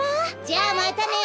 じゃあまたね。